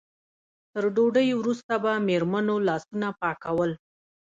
تر ډوډۍ وروسته به مېرمنو لاسونه پاکول.